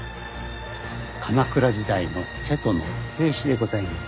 鎌倉時代の瀬戸の瓶子でございます。